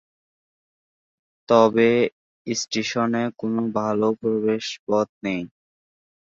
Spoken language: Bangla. তবে স্টেশনে কোন ভালো প্রবেশ পথ নেই।